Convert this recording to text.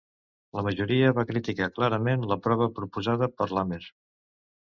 La majoria va criticar clarament la prova proposada per Lamer.